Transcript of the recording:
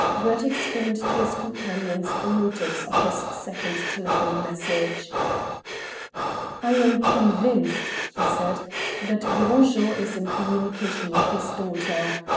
Brett explained to his companions the motives of his second telephonic message. "I am convinced," he said, "that Gros Jean is in communication with his daughter.